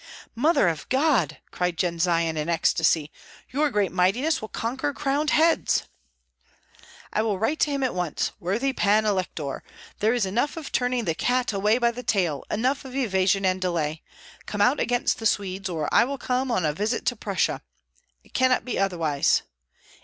"Mother of God!" cried Jendzian, in ecstasy. "Your great mightiness will conquer crowned heads!" "I will write to him at once: 'Worthy Pan Elector, there is enough of turning the cat away by the tail, enough of evasion and delay! Come out against the Swedes, or I will come on a visit to Prussia. It cannot be otherwise.'